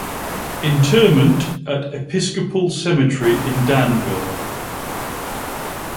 Interment at Episcopal Cemetery in Danville.